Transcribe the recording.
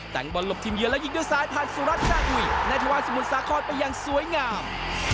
แต่งบอลลบทีมเยียนและยิงด้วยสายผ่านสุรัสตร์แซ่งหุ่ยในทะวายสมุนสาครไปอย่างสวยงาม